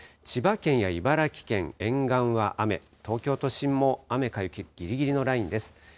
千葉県や茨城県沿岸は雨、東京都心も雨か雪、ぎりぎりのラインです。